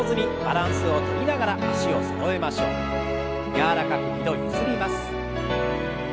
柔らかく２度ゆすります。